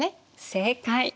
正解。